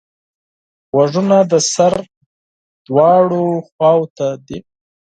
غوږونه د سر دواړو خواوو ته دي